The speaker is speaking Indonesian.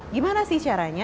gimana sih caranya